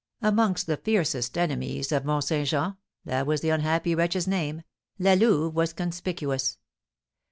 Amongst the fiercest enemies of Mont Saint Jean (that was the unhappy wretch's name), La Louve was conspicuous.